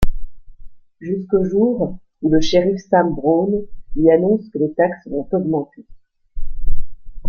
Jusqu'au jour, où le shérif Sam Brown lui annonce que les taxes vont augmenter.